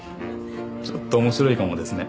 ちょっと面白いかもですね